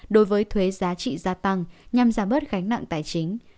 đối với thuế giá trị gia tăng nhằm giảm bớt gánh nặng tài chính